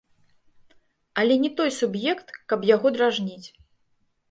Але не той суб'ект, каб яго дражніць.